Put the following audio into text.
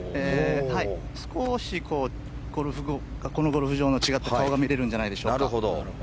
少しこのゴルフ場の違った顔が見れるんじゃないでしょうか。